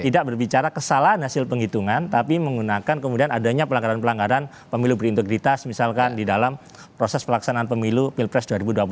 tidak berbicara kesalahan hasil penghitungan tapi menggunakan kemudian adanya pelanggaran pelanggaran pemilu berintegritas misalkan di dalam proses pelaksanaan pemilu pilpres dua ribu dua puluh